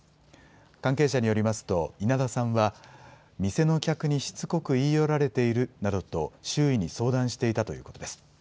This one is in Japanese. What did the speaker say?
関係者によりますと稲田さんは、店の客にしつこく言い寄られているなどと、周囲に相談していたということです。